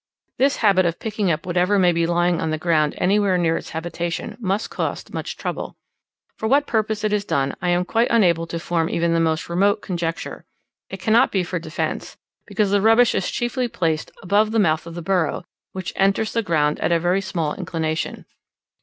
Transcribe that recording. This habit of picking up whatever may be lying on the ground anywhere near its habitation, must cost much trouble. For what purpose it is done, I am quite unable to form even the most remote conjecture: it cannot be for defence, because the rubbish is chiefly placed above the mouth of the burrow, which enters the ground at a very small inclination.